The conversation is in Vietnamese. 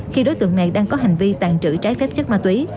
khi đối tượng này đang có hành vi tàn trữ trái phép chất ma túy